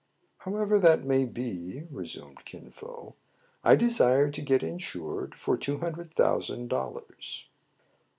" However that may be," resumed ÏCin Fo, " I desire to get insured for two hundred thousand dollars."